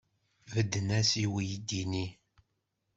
Bedden-as i uydi-nni?